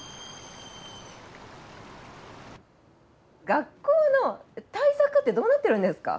学校の対策ってどうなってるんですか？